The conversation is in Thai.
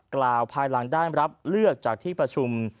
กล่าวภายหลังได้รับเลือกจากที่ประชุม